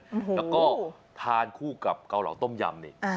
แล้วก็ทานคู่กับเกาเหลาต้มยำนี่